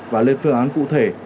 và lên phương án cụ thể